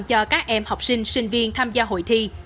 cho các em học sinh sinh viên tham gia hội thi